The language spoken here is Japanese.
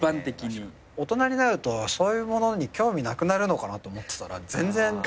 大人になるとそういうものに興味なくなるのかなと思ってたら全然変わんない。